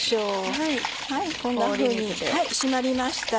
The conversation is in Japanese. こんなふうに締まりました。